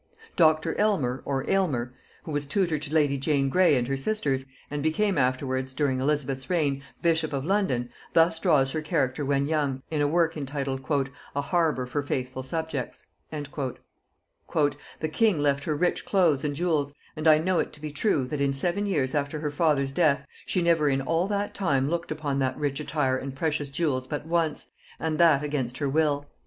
Dr. Elmer or Aylmer, who was tutor to lady Jane Grey and her sisters, and became afterwards, during Elizabeth's reign, bishop of London, thus draws her character when young, in a work entitled "A Harbour for faithful Subjects." "The king left her rich cloaths and jewels; and I know it to be true, that in seven years after her father's death, she never in all that time looked upon that rich attire and precious jewels but once, and that against her will.